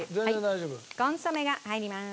コンソメが入ります。